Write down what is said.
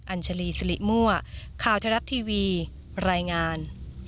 อัญชลีสิริมั่วข่าวไทยรัฐทีวีรายงาน